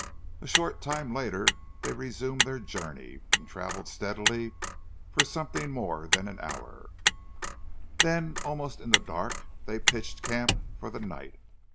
A short time later they resumed their journey, and travelled steadily for something more than an hour; then almost in the dark they pitched camp for the night.